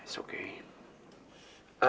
ya tak apa